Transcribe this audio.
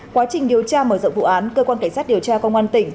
quá trình điều tra mở rộng vụ án cơ quan cảnh sát điều tra công an tỉnh